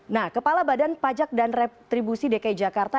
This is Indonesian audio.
nah kepala badan pajak dan retribusi dki jakarta